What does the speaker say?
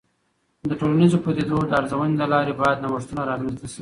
د ټولنیزو پدیدو د ارزونې له لارې باید نوښتونه رامنځته سي.